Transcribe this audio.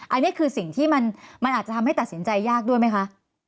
อันนี้คือสิ่งที่มันอาจจะทำให้ตัดสินใจยากด้วยไหมคะ